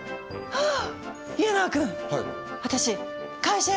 ああ。